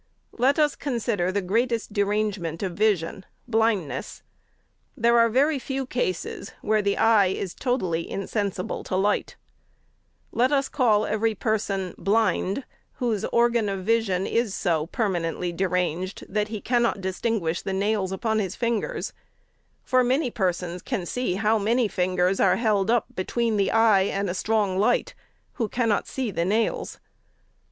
Let us consider the greatest derangement of vision — blindness ; there are very few cases where the eye is totally insensible to light ; let us call every person blind whose organ of vision is so per manently deranged, that he cannot distinguish the nails upon his fin gers ; for many persons can see how many fingers are held up between the eye and a strong light, who cannot see the nails.